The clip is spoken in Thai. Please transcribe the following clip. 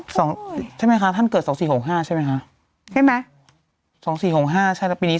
โอ้โหใช่ไหมคะท่านเกิด๒๔๖๕ใช่ไหมคะใช่ไหม๒๔๖๕ใช่แล้วปีนี้๒๕๖๔